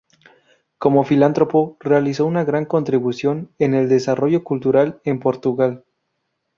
Como filántropo, realizó una gran contribución en el desarrollo cultural en Portugal.